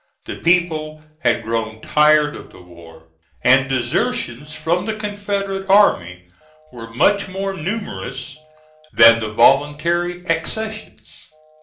The people had grown tired of the war, and desertions from the Confederate army were much more numerous than the voluntary accessions.